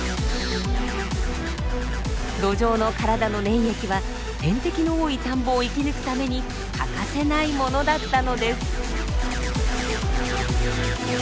ドジョウの体の粘液は天敵の多い田んぼを生き抜くために欠かせないものだったのです。